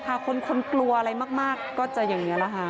ถ้าคนกลัวอะไรมากก็จะอย่างนี้แหละค่ะ